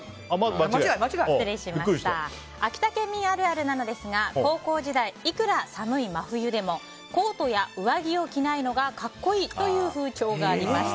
秋田県民あるあるなのですが高校時代、いくら寒い真冬でもコートや上着を着ないのが格好いいという風潮がありました。